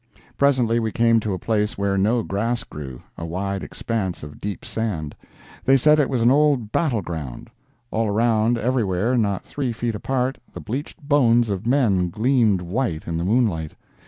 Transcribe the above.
Presently we came to a place where no grass grew—a wide expanse of deep sand. They said it was an old battle ground. All around everywhere, not three feet apart, the bleached bones of men gleamed white in the moonlight.